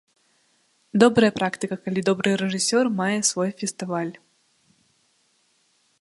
Добрая практыка, калі добры рэжысёр мае свой фестываль.